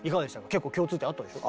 結構共通点あったでしょ？